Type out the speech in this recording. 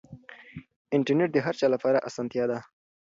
انټرنیټ د هر چا لپاره اسانتیا ده.